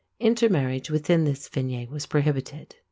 Intermarriage within this fine was prohibited.